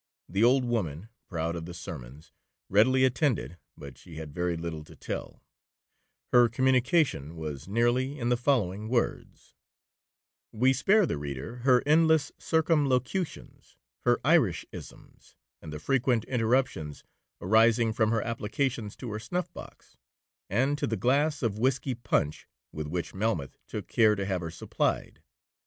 The old woman, proud of the summons, readily attended, but she had very little to tell,—her communication was nearly in the following words: (We spare the reader her endless circumlocutions, her Irishcisms, and the frequent interruptions arising from her applications to her snuff box, and to the glass of whiskey punch with which Melmoth took care to have her supplied).